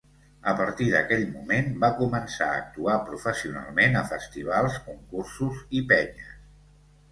A partir d'aquell moment, va començar a actuar professionalment a festivals, concursos i penyes.